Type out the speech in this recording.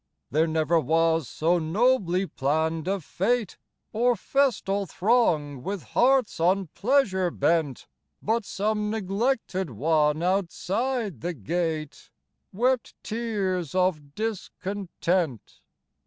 There never was so nobly planned a fête, Or festal throng with hearts on pleasure bent, But some neglected one outside the gate Wept tears of discontent.